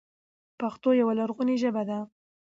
پښتو يوه لرغونې ژبه ده،